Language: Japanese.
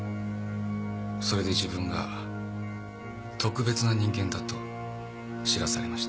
それで自分が特別な人間だと知らされました。